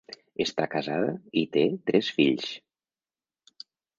Està casada i té tres fills.